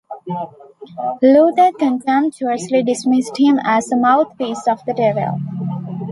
Luther contemptuously dismissed him as a mouthpiece of the devil.